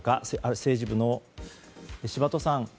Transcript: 政治部の柴戸さん